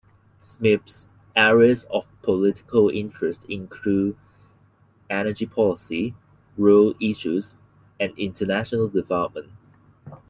Smith's areas of political interest include energy policy, rural issues and international development.